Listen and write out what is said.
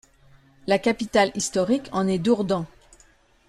La capitale historique en est Dourdan.